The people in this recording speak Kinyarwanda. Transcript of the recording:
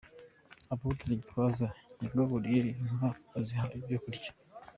Apotre Gitwaza yagaburiye inka aziha ibyo kurya.